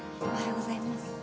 おはようございます。